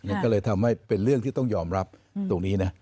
มันก็เลยทำให้เป็นเรื่องที่ต้องยอมรับตรงนี้นะ